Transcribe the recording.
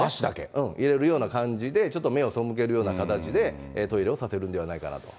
入れるような感じで、ちょっと目を背けるような形でトイレをさせるのではないかなと。